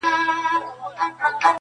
زما پښتون زما ښايسته اولس ته.